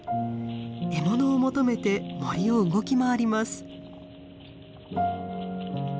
獲物を求めて森を動き回ります。